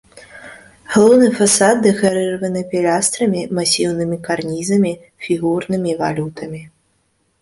Галоўны фасад дэкарыраваны пілястрамі, масіўнымі карнізамі, фігурнымі валютамі.